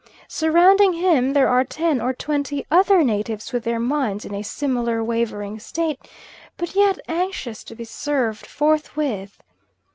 Surrounding him there are ten or twenty other natives with their minds in a similar wavering state, but yet anxious to be served forthwith.